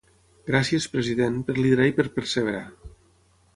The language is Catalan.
Gràcies, president, per liderar i per perseverar.